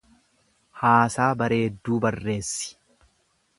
Haasaa bareedduu barreessi.